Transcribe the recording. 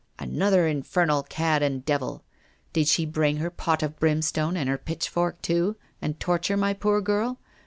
'' Another infernal cad and devil! Did she bring her pot of brimstone and her pitchfork, too, and torture my poor girl?